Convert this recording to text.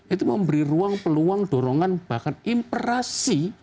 itu memberi ruang peluang dorongan bahkan imprasi